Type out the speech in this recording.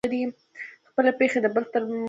خپلي پښې د بل تر موټر غوره وګڼه!